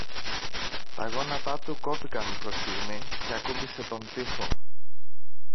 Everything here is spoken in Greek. Τα γόνατά του κόπηκαν προς στιγμή και ακούμπησε τον τοίχο.